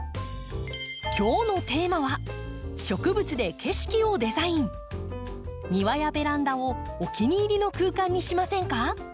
今日のテーマは庭やベランダをお気に入りの空間にしませんか？